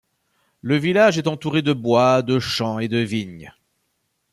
Le village est entouré de bois, de champs et de vignes.